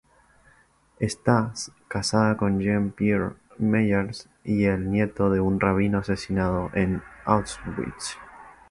Está casada con Jean-Pierre Meyers, el nieto de un rabino asesinado en Auschwitz.